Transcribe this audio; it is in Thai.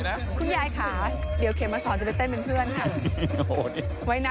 คุณขาเดี๋ยวเขมสอนจะไปเต้นเป็นเพื่อนครับ